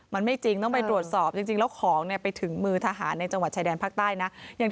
มันไม่จริงต้องไปตรวจสอบจริงแล้วของเนี่ยไปถึงมือทหารในจังหวัดชายแดนภาคใต้นะ